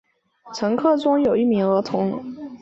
乘客中有一名儿童。